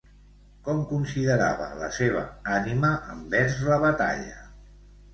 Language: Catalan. Com considerava la seva ànima envers la batalla?